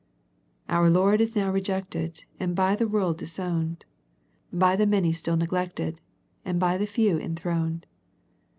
"Our Lord is now rejected, And by the world disowned, By the many still neglected, And by the few enthroned."